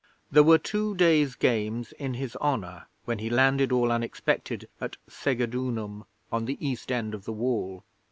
'There were two days' Games in his honour when he landed all unexpected at Segedunum on the East end of the Wall.